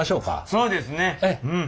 そうですねうん。